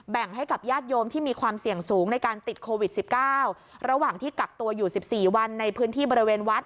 งให้กับญาติโยมที่มีความเสี่ยงสูงในการติดโควิด๑๙ระหว่างที่กักตัวอยู่๑๔วันในพื้นที่บริเวณวัด